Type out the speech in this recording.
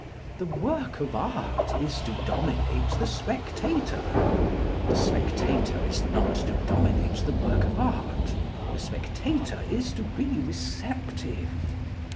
The work of art is to dominate the spectator: the spectator is not to dominate the work of art. The spectator is to be receptive.